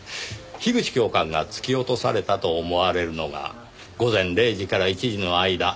樋口教官が突き落とされたと思われるのが午前０時から１時の間。